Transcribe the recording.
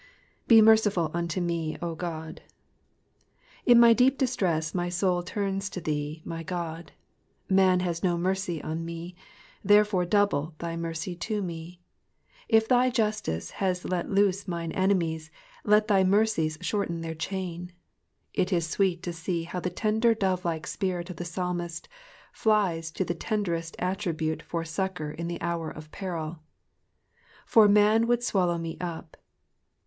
^^Be merciful unto me, 0 Ood.^^ In my deep distress my soul turns to thee, my God. Man has no mercy on me, therefore double thy mercy to me. If thy justice has let loose my enemies, let thy mercy shorten their chain. It ia sweet to see how the tender dove like spirit of the psalmist flies to the tenderest attribute for succour in the hour of peril. '''For man would swallow me «p."